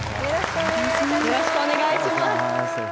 よろしくお願いします